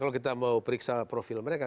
kalau kita mau periksa profil mereka